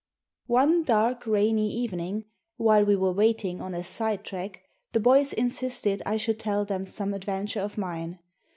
One dark, rainy evening while we were waiting on a sidetrack the boys insisted I should tell them some adventure of mine.